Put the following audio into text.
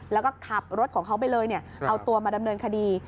แล้วก็ขับรถของเขาไปเลยเอาตัวมาดำเนินคดี